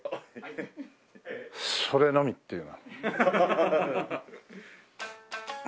それのみっていう。